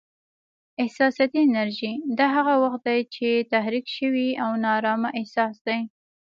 احساساتي انرژي: دا هغه وخت دی چې تحریک شوی او نا ارامه احساس دی.